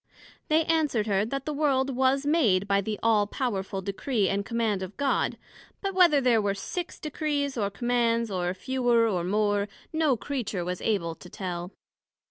They answered her, That the World was made by the All powerful Decree and Command of God; but whether there were six Decrees or Commands, or fewer, or more, no Creature was able to tell.